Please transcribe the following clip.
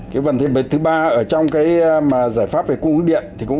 cái vấn đề thứ ba ở trong cái giải pháp về cung ứng điện